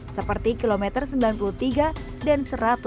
seperti kilometer sembilan puluh tiga dan satu ratus tiga